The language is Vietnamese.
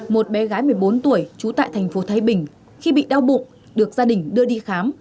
một bé gái một mươi bốn tuổi trú tại thành phố thái bình khi bị đau bụng được gia đình đưa đi khám